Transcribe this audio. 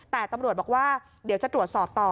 แต่ตำรวจบอกว่าเดี๋ยวจะตรวจสอบต่อ